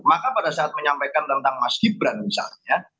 maka pada saat menyampaikan tentang mas gibran misalnya